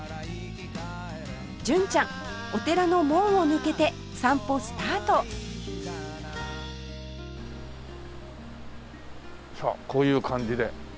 純ちゃんお寺の門を抜けて散歩スタートさあこういう感じで。